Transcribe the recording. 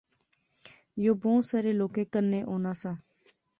یو بہوں سارے لوکیں کنے ہونا سا